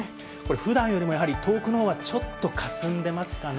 普段よりも遠くの方はかすんでますかね。